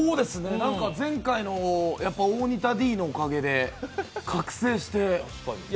前回の大仁田Ｄのおかげで覚醒して。